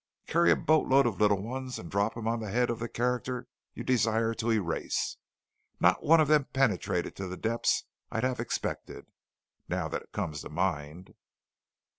Carry a boatload of little ones and drop 'em on the head of the character you desire to erase. Not one of them penetrated to the depths I'd have expected, now that it comes to mind."